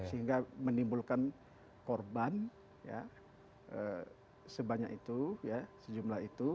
sehingga menimbulkan korban ya sebanyak itu ya sejumlah itu